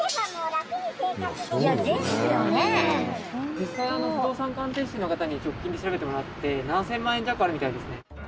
実際不動産鑑定士の方に直近で調べてもらって７０００万円弱あるみたいですね